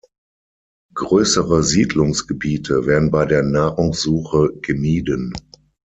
Größere Siedlungsgebiete werden bei der Nahrungssuche gemieden.